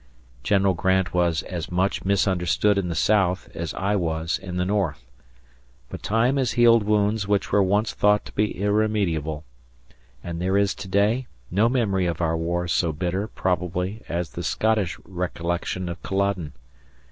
General Grant was as much misunderstood in the South as I was in the North. But time has healed wounds which were once thought to be irremediable; and there is to day no memory of our war so bitter, probably, as the Scottish recollection of Culloden.